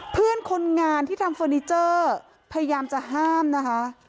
เพื่อนคนงานที่ทำเฟอร์นิเจอร์พยายามจะห้ามนะคะ